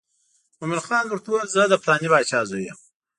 مومن خان ورته وویل زه د پلانې باچا زوی یم.